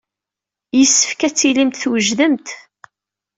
Yessefk ad tilimt twejdemt.